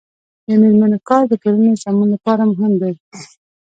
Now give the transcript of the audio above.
د میرمنو کار د ټولنې سمون لپاره مهم دی.